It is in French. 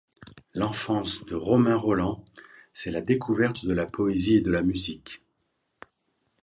L'enfance de Romain Rolland, c'est la découverte de la poésie et de la musique.